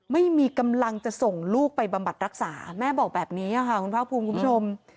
ไม่มีกำลังจะส่งลูกไปบำบัดรักษาแม่บอกแบบนี้ค่ะคุณภาคภูมิคุณผู้ชม